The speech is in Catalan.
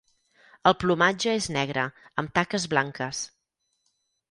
El plomatge és negre amb taques blanques.